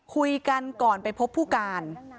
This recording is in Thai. คุยกันก่อนไปพบผู้การ